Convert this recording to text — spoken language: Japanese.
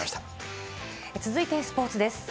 続いてスポーツです。